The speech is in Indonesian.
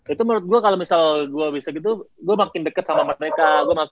itu menurut gue kalau misal gue bisa gitu gue makin deket sama mereka